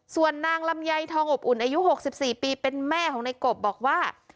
ส่วนนางลำยัยทองอบอุ่นอายุหกสิบสี่ปีเป็นแม่ของนายกบบอกว่า